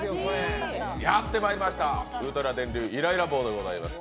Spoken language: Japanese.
やってまいりましたウルトラ電流イライラ棒でございます。